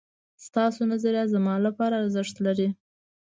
ستاسو نظريات زما لپاره ارزښت لري